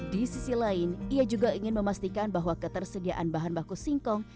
di sisi lain ia juga ingin memastikan bahwa ketersediaan bahan baku singkong